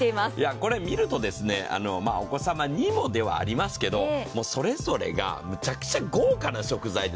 これ見るとお子様にもではありますけど、それぞれがむちゃくちゃ豪華な食材で。